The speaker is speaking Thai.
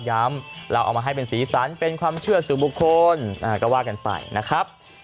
เราเอามาให้เป็นสีสันเป็นความเชื่อสู่บุคคลก็ว่ากันไปนะครับ